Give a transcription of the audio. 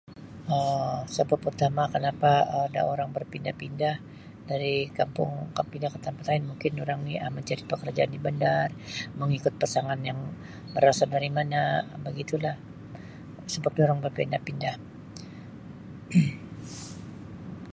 Um Sabab utama kenapa Um ada orang berpindah pindah dari kampung ke pindah ke tempat lain mungkin dorang ni Um mencari pekerjaan di bandar mengikut pasangan yang berasal dari mana begitulah sebab diorang berpindah pindah.